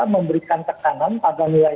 memberikan tekanan pada nilai